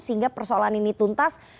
sehingga persoalan ini tuntas